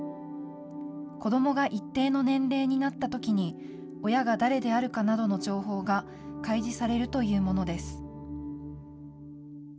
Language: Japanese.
子どもが一定の年齢になったときに、親が誰であるかなどの情報が開示されるというものです。